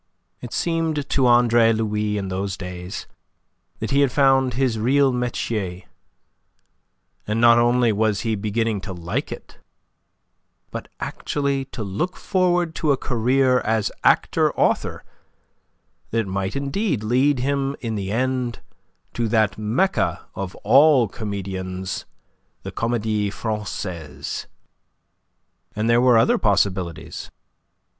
It seemed to Andre Louis in those days that he had found his real metier, and not only was he beginning to like it, but actually to look forward to a career as actor author that might indeed lead him in the end to that Mecca of all comedians, the Comedie Francaise. And there were other possibilities.